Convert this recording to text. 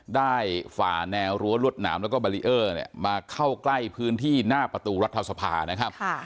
ได้ฝ่าแนวรั้วลวดหนามแล้วก็มาเข้าใกล้พื้นที่หน้าประตูรัฐสภานะครับค่ะ